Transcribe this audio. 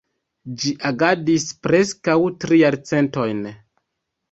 Ĝi agadis preskaŭ tri jarcentojn.